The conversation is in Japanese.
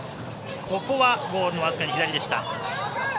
ここはゴールのわずかに左でした。